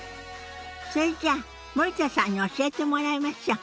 それじゃあ森田さんに教えてもらいましょ。